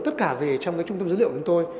tất cả về trong cái trung tâm dữ liệu của tôi